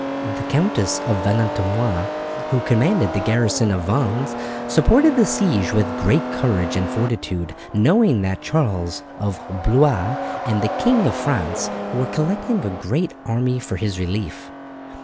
The Count of Valentinois, who commanded the garrison of Vannes, supported the siege with great courage and fortitude, knowing that Charles of Blois and the King of France were collecting a great army for his relief.